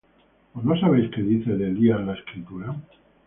¿O no sabéis qué dice de Elías la Escritura?